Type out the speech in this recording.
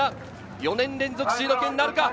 ４年連続シード権なるか。